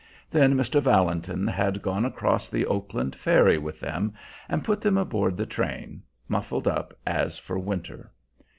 Then Mr. Valentin had gone across the Oakland ferry with them and put them aboard the train, muffled up as for winter.